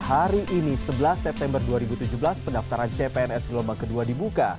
hari ini sebelas september dua ribu tujuh belas pendaftaran cpns gelombang kedua dibuka